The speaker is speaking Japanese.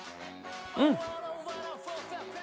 うん！